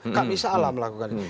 kami salah melakukan ini